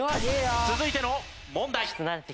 続いての問題。